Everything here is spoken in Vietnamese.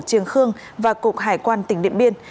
trường khương và cục hải quan tỉnh điện biên